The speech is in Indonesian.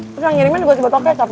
terus yang ngirimin juga si botol kecap